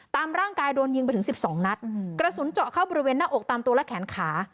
ตามร่างกายโดนยิงไปถึงสิบสองนัดกระสุนเจาะเข้าบริเวณหน้าอกตามตัวและแขนขา